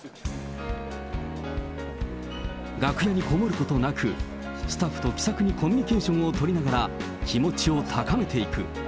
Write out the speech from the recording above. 楽屋にこもることなく、スタッフと気さくにコミュニケーションを取りながら、気持ちを高めていく。